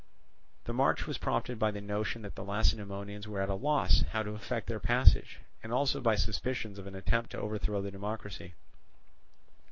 The march was prompted by the notion that the Lacedaemonians were at a loss how to effect their passage, and also by suspicions of an attempt to overthrow the democracy.